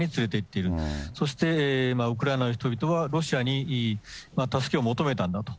そしてウクライナの人々は、ロシアに助けを求めたんだと。